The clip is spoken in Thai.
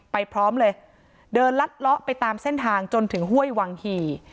พร้อมเลยเดินลัดเลาะไปตามเส้นทางจนถึงห้วยวังหี่